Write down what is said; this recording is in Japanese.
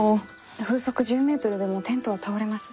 風速１０メートルでもテントは倒れます。